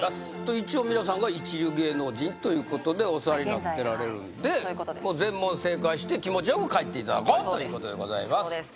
一応皆さんが一流芸能人ということでお座りになってられるんで気持ちよく帰っていただこうということでございます